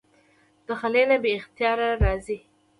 د خلې نه بې اختياره اوځي